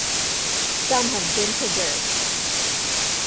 Some have been preserved.